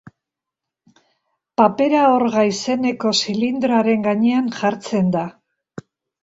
Papera orga izeneko zilindroaren gainean jartzen da.